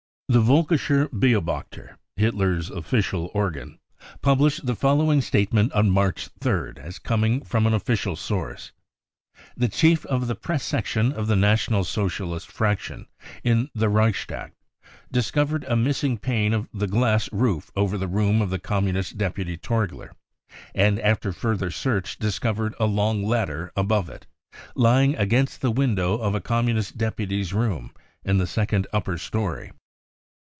The Vdlkischer Beobachter , Hitler's official organ, published the following statement on March 3rd, as coming from an official source :" The chief of the press section of the National Socialist 1 fraction in the Reichstag discovered a missing pane in | the glass roof over the room of the Communist deputy j Torgier, and after further search discovered a long \ ladder above it, lying against the window of a Com j munis t deputy's room in the second upper story.